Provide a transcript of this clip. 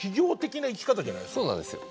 そうなんですよ。